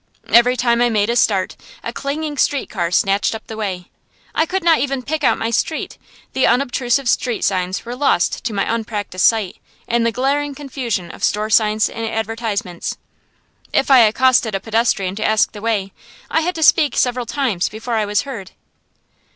Every time I made a start, a clanging street car snatched up the way. I could not even pick out my street; the unobtrusive street signs were lost to my unpractised sight, in the glaring confusion of store signs and advertisements. If I accosted a pedestrian to ask the way, I had to speak several times before I was heard.